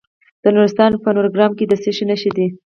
د نورستان په نورګرام کې د څه شي نښې دي؟